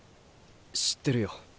知ってるよ。